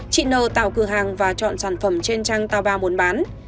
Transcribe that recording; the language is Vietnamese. chị n tạo cửa hàng và chọn sản phẩm trên trang taba muốn bán